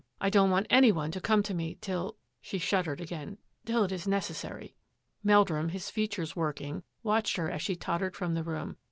I don't want any one to come to me till —" she shuddered again, " till it is necessary." Meldrum, his features working, watched her as she tottered from the room.